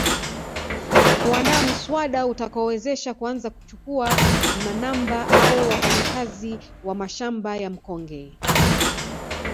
Na kuandaa muswada utakaowezesha kuanza kuchukua manamba au wafanyakazi wa mashamba ya mkonge